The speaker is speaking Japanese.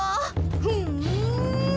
ふん！